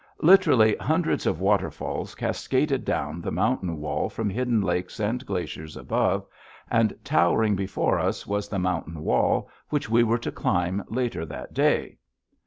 Literally, hundreds of waterfalls cascaded down the mountain wall from hidden lakes and glaciers above, and towering before us was the mountain wall which we were to climb later that day.